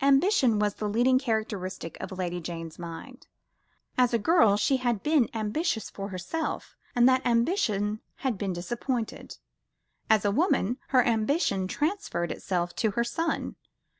Ambition was the leading characteristic of Lady Jane's mind. As a girl, she had been ambitious for herself, and that ambition had been disappointed; as a woman, her ambition transferred itself to her son.